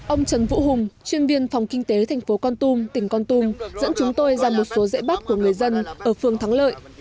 ông trần vũ hùng chuyên viên phòng kinh tế thành phố con tum tỉnh con tum dẫn chúng tôi ra một số rễ bắt của người dân ở phương thắng lợi